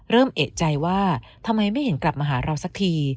เริ่มเอกใจว่าทำไมไม่เห็นกลับมาหาเราสักที